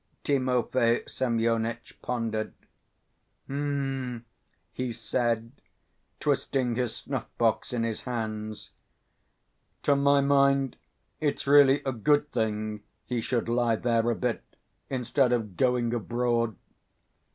Timofey Semyonitch pondered. "Hm!" he said, twisting his snuff box in his hands. "To my mind it's really a good thing he should lie there a bit, instead of going abroad.